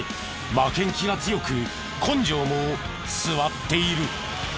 負けん気が強く根性も据わっている。